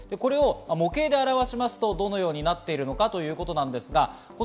模型で表しますと、どのようになっているのかということですが。